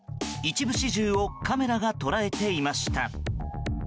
一部始終をカメラが捉えていました。